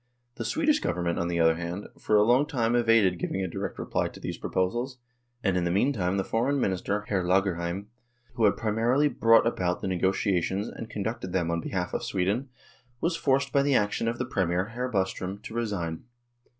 The Swedish Government, on the other hand, for a long time evaded giving a direct reply to these proposals, and in the mean time the Foreign Minister, Hr. Lagerheim, who had primarily brought about the negotiations and conducted them on behalf of Sweden, was forced by 76 NORWAY AND THE UNION WITH SWEDEN the action of the Premier, Hr. Bostrom, to resign.